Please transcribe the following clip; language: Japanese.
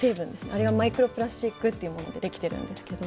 あれがマイクロプラスチックというものでできているんですけど。